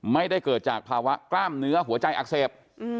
ไม่ได้เกิดจากภาวะกล้ามเนื้อหัวใจอักเสบ